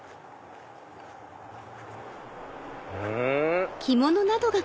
うん？